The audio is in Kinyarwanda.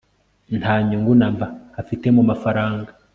nta nyungu namba afite mumafaranga